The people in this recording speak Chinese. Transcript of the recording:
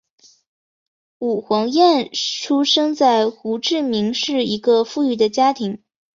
武黄燕出生在胡志明市一个富裕的家庭。